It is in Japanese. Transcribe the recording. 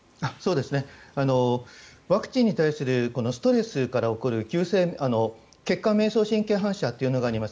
ワクチンに対するストレスから起こる急性血管迷走神経反射というのがあります。